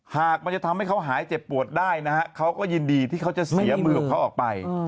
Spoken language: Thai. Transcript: หากมันจะทำให้เขาหายเจ็บปวดได้นะฮะเขาก็ยินดีที่เขาจะเสียมือของเขาออกไป